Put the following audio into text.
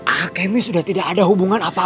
akemi sudah tidak ada hubungan apa apa